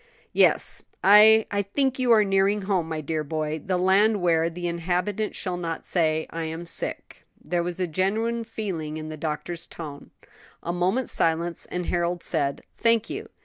"Yes; I I think you are nearing home, my dear boy; the land where 'the inhabitant shall not say, I am sick.'" There was genuine feeling in the doctor's tone. A moment's silence, and Harold said, "Thank you.